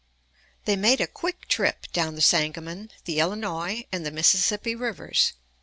] They made a quick trip down the Sangamon, the Illinois, and the Mississippi rivers.